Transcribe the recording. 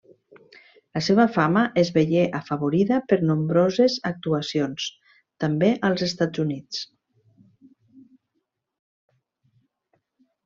La seva fama es veié afavorida per nombroses actuacions, també als Estats Units.